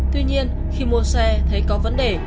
tuy nhiên khi mua xe thấy có vấn đề